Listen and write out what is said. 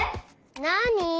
なに？